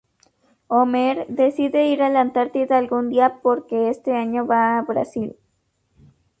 Homer decide ir a la Antártida algún día porque este año va a Brasil.